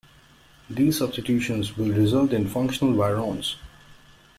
These substitutions will result in functional virons.